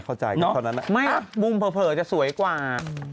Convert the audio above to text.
เข้าใจไม่มุมเผลอจะสวยกว่า